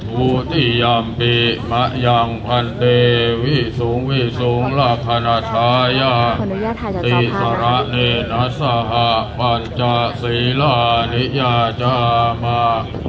ภูติยัมปิมะยังพันติวิสุงวิสุงละขณะท้ายาติสระเนนัสสาหะปัญจาศรีละนิยาจามะ